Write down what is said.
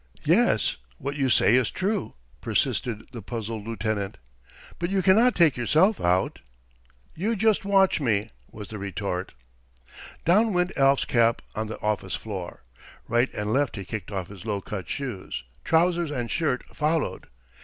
"Yes; what you say is true," persisted the puzzled lieutenant. "But you cannot take yourself out." "You just watch me," was the retort. Down went Alf's cap on the office floor. Right and left he kicked off his low cut shoes. Trousers and shirt followed.